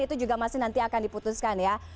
itu juga masih nanti akan diputuskan ya